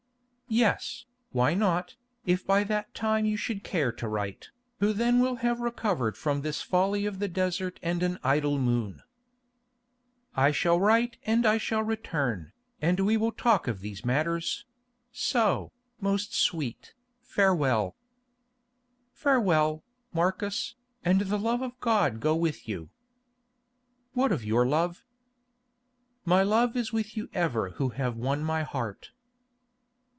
"Yes, why not, if by that time you should care to write, who then will have recovered from this folly of the desert and an idle moon?" "I shall write and I shall return, and we will talk of these matters; so, most sweet, farewell." "Farewell, Marcus, and the love of God go with you." "What of your love?" "My love is with you ever who have won my heart."